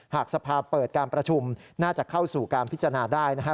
หากสภาเปิดการประชุมน่าจะเข้าสู่การพิจารณาได้นะครับ